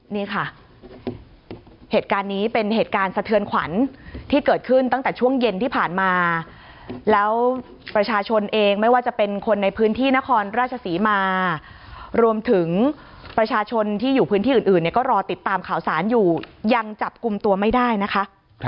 นี่ค่ะเหตุการณ์นี้เป็นเหตุการณ์สะเทือนขวัญที่เกิดขึ้นตั้งแต่ช่วงเย็นที่ผ่านมาแล้วประชาชนเองไม่ว่าจะเป็นคนในพื้นที่นครราชศรีมารวมถึงประชาชนที่อยู่พื้นที่อื่นเนี่ยก็รอติดตามข่าวสารอยู่ยังจับกลุ่มตัวไม่ได้นะคะ